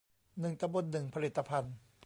หนึ่งตำบลหนึ่งผลิตภัณฑ์